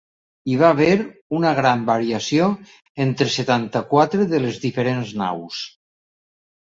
Hi va haver una gran variació entre setanta-quatre de les diferents naus.